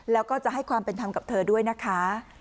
แล้วก็จะให้ความเป็นธรรมกับเธอด้วยนะคะ